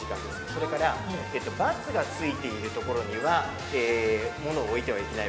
それから、バツがついているところには物を置いてはいけない。